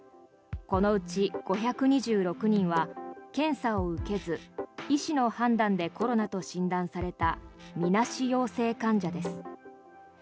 このうち５２６人は検査を受けず医師の判断でコロナと診断されたみなし陽性患者です。